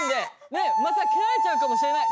ねっまた蹴られちゃうかもしれない。